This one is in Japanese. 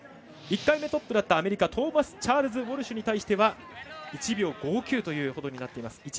１回目トップだったアメリカトーマスチャールズ・ウォルシュに対しては１秒５９ということになっています。